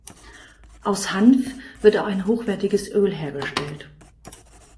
Aus Hanf wird auch ein hochwertiges Öl hergestellt.